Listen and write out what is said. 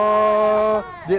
oh di ngenat